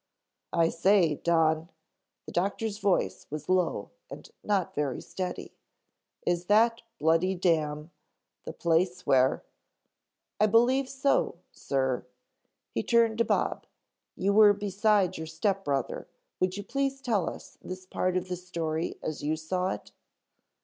"I say, Don," the doctor's voice was low and not very steady, "is that Bloody Dam the place where " "I believe so, Sir." He turned to Bob. "You were beside your step brother, would you please tell us this part of the story as you saw it?"